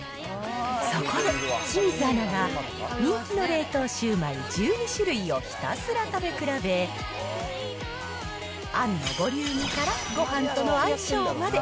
そこで、清水アナが人気の冷凍シュウマイ１２種類をひたすら食べ比べ、あんのボリュームから、ごはんとの相性まで。